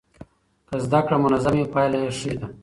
که زده کړه منظمه وي پایله یې ښه ده.